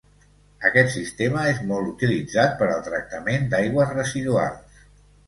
Aquest sistema és molt utilitzat per al tractament d'aigües residuals.